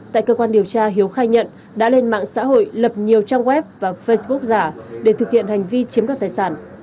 tại cơ quan điều tra hiếu khai nhận đã lên mạng xã hội lập nhiều trang web và facebook giả để thực hiện hành vi chiếm đoạt tài sản